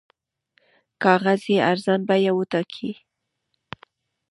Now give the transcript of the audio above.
کاغذ یې ارزان بیه وټاکئ.